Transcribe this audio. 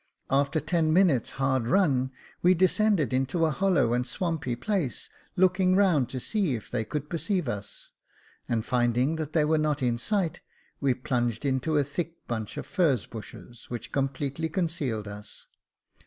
After ten minutes' hard run we descended into a hollow and swampy place, looking round to see if they could perceive us, and finding that they were not in sight, we plunged into a thick bunch of furze bushes, which completely concealed us.